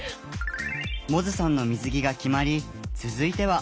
百舌さんの水着が決まり続いては。